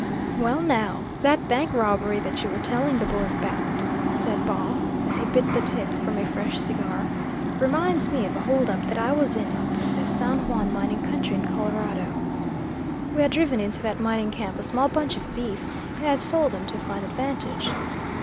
"Well, now, that bank robbery that you were telling the boys about," said Baugh, as he bit the tip from a fresh cigar, "reminds me of a hold up that I was in up in the San Juan mining country in Colorado. We had driven into that mining camp a small bunch of beef and had sold them to fine advantage.